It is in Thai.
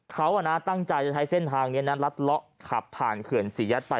เขาตั้งใจจะใช้เส้นทางนี้นะรัดเลาะขับผ่านเขื่อนศรียัดไป